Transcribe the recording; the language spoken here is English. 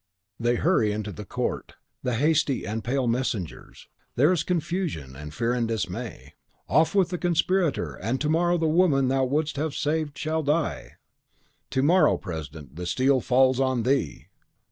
They hurry into the court, the hasty and pale messengers; there is confusion and fear and dismay! "Off with the conspirator, and to morrow the woman thou wouldst have saved shall die!" "To morrow, president, the steel falls on THEE!"